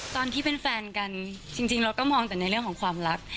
ตอนที่เป็นแฟนกันจริงเราก็มองแต่ในเรื่องของความรัก